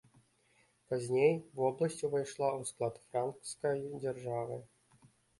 Пазней вобласць увайшла ў склад франкскай дзяржавы.